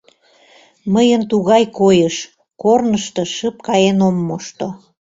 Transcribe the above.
Мыйын тугай койыш: корнышто шып каен ом мошто.